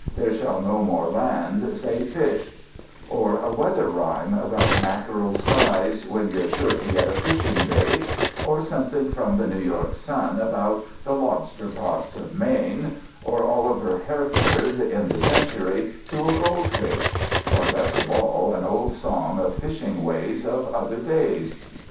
There shall be no more land, say fish"; or a "weather rhyme" about "mackerel skies," when "you're sure to get a fishing day"; or something from the New York Sun about "the lobster pots of Maine"; or Oliver Herford, in the Century, "To a Goldfish"; or, best of all, an old song of fishing ways of other days.